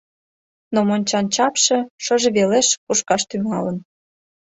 Но мончан чапше шыже велеш кушкаш тӱҥалын.